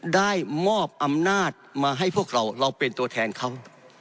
ได้มอบอำนาจมาให้พวกเราเราเป็นตัวแทนเขา